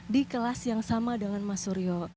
di kelas yang sama dengan mas suryo